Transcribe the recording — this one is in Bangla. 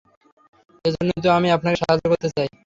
এজন্যই তো আমি আপনাকে সাহায্য করতে চাই।